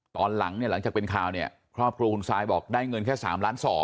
ตอนหลังเนี่ยหลังจากเป็นข่าวเนี่ยครอบครัวคุณซายบอกได้เงินแค่๓ล้าน๒